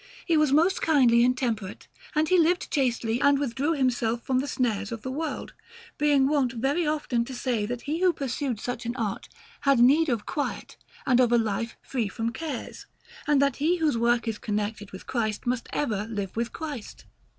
He was most kindly and temperate; and he lived chastely and withdrew himself from the snares of the world, being wont very often to say that he who pursued such an art had need of quiet and of a life free from cares, and that he whose work is connected with Christ must ever live with Christ.